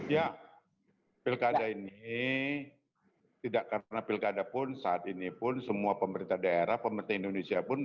ya pilkada ini tidak karena pilkada pun saat ini pun semua pemerintah daerah pemerintah indonesia pun